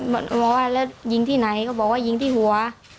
บอกว่าแล้วยิงที่ไหนก็บอกว่ายิงที่หัว